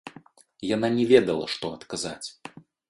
Яна не ведала, што адказаць.